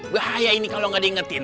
bahaya ini kalau nggak diingetin